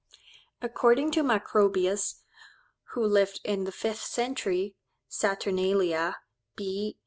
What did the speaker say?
According to Macrobius, who lived in the filth century ('Saturnalia,' B.